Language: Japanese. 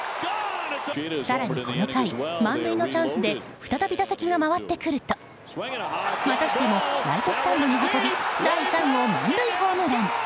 更にこの回、満塁のチャンスで再び打席が回ってくるとまたしてもライトスタンドに運び第３号満塁ホームラン。